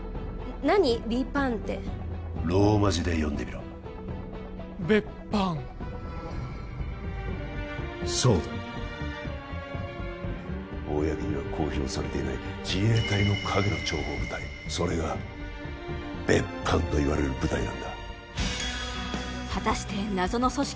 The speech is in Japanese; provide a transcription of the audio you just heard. ローマ字で読んでみろベッパンそうだ公には公表されていない自衛隊の陰の諜報部隊それが別班といわれる部隊なんだ果たして謎の組織